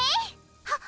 はっ。